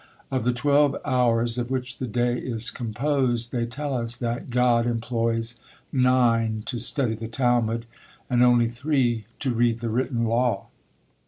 Of the twelve hours of which the day is composed, they tell us that God employs nine to study the Talmud, and only three to read the written law!